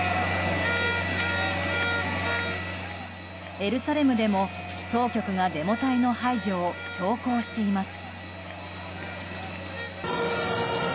エルサレムでも当局がデモ隊の排除を強行しています。